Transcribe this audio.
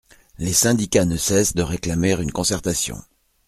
Les syndicats ne cessent de réclamer une concertation.